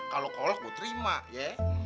kalau kolak gue terima ya